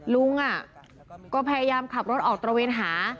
ลุงก็พยายามขับรถออกตระเวนหา